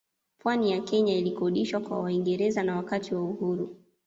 Pwani ya Kenya ilikodishwa kwa Waingereza na Wakati wa uhuru